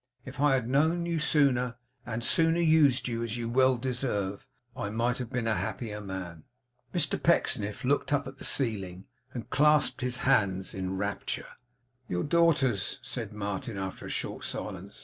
If I had known you sooner, and sooner used you as you well deserve, I might have been a happier man.' Mr Pecksniff looked up to the ceiling, and clasped his hands in rapture. 'Your daughters,' said Martin, after a short silence.